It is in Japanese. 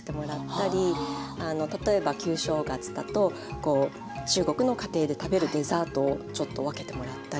例えば旧正月だと中国の家庭で食べるデザートをちょっと分けてもらったり。